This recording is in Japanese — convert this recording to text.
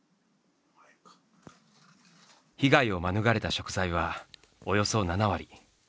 被害を免れた食材はおよそ７割。